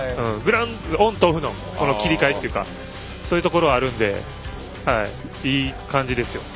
オンとオフの切り替えというかそういうところはあるのでいい感じです。